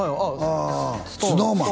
ああＳｎｏｗＭａｎ？